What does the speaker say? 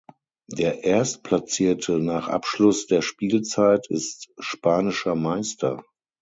Der Erstplatzierte nach Abschluss der Spielzeit ist spanischer Meister.